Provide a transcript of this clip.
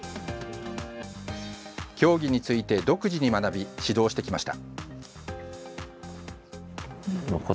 競技について独自に学び指導してきました。